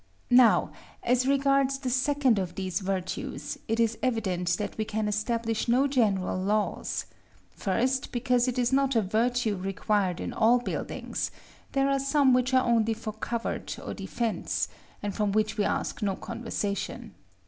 Now, as regards the second of these virtues, it is evident that we can establish no general laws. First, because it is not a virtue required in all buildings; there are some which are only for covert or defence, and from which we ask no conversation.